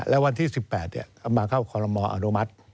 และวันที่๑๘มาเข้าคอลโมอนุมัติ